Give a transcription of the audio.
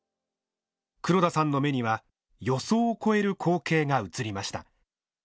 黒田さんの目には予想を超える光景が映りました。